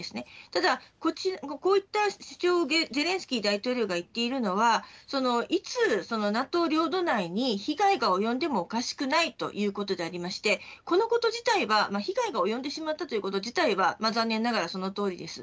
ただこういった主張をゼレンスキー大統領が言っているのはいつＮＡＴＯ領土内に被害が及んでもおかしくないということでありましてこのこと自体は残念ながらそのとおりです。